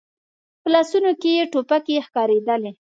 په لاسونو کې يې ټوپکې ښکارېدلې.